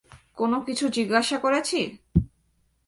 কোন কিছু জিজ্ঞাসা করেছি?